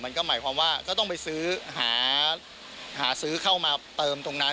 มันก็หมายความว่าก็ต้องไปซื้อหาซื้อเข้ามาเติมตรงนั้น